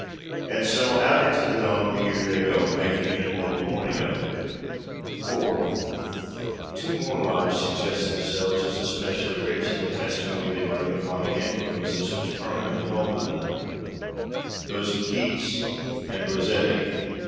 And so, out into the dawn of the year they go, making an immortal morning of it. IV Two more lives suggest themselves as especially rich in the testimony they bring of haunting influences which permanently moulded them those of Keats and Rossetti.